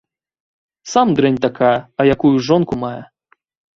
Сам дрэнь такая, а якую жонку мае.